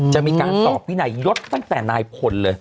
จะมีการสอบวินัยยศตั้งแต่นายพลเลย